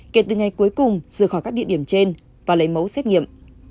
kể từ ngày cuối cùng rời khỏi các địa điểm trên và lấy mẫu xét nghiệm